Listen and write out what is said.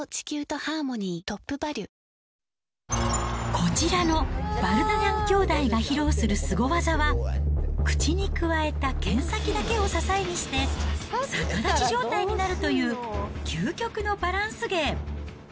こちらのヴァルダニャン兄弟が披露するスゴ技は、口にくわえた剣先だけを支えにして、逆立ち状態になるという究極のバランス芸。